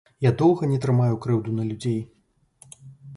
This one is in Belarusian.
Я доўга не трымаю крыўду на людзей.